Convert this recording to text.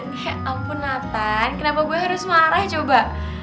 ya ampun natan kenapa gue harus marah coba